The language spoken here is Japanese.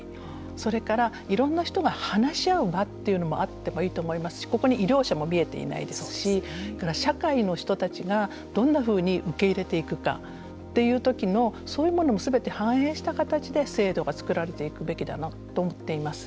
それから、いろんな人が話し合う場というのもあってもいいと思いますしこれに医療者も見えていないですしそれから社会の人たちがどんなふうに受け入れていくかという時のそういうものもすべて反映した形で制度が作られていくべきだなと思っています。